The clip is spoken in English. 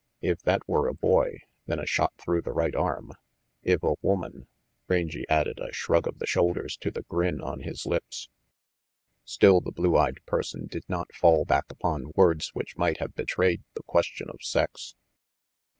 If that were a boy, then a shot through the right arm. If a woman Rangy added a shrug of the shoulders to the grin on his lips. Still the blue eyed person did not fall back upon words which might have betrayed the question of sex.